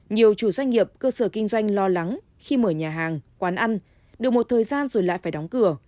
nhiều chủ doanh nghiệp cơ sở kinh doanh lo lắng khi mở nhà hàng quán ăn được một thời gian rồi lại phải đóng cửa